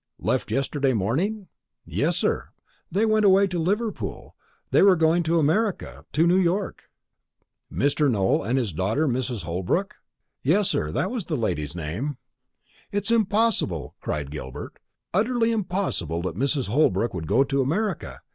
"Left yesterday morning?" "Yes, sir. They went away to Liverpool; they are going to America to New York." "Mr. Nowell and his daughter, Mrs. Holbrook?" "Yes, sir, that was the lady's name." "It's impossible," cried Gilbert; "utterly impossible that Mrs. Holbrook would go to America!